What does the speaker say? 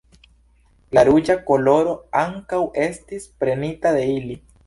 La ruĝa koloro ankaŭ estis prenita de ili.